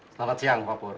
selamat siang pak pur